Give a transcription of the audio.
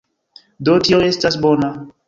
Do, tio estas bona